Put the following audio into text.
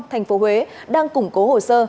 thành phố huế đang củng cố hồ sơ